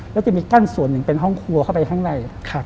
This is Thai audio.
แล้วจะมีกั้นส่วนหนึ่งเป็นห้องครัวเข้าไปข้างใน